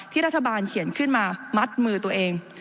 รัฐบาลเขียนขึ้นมามัดมือตัวเอง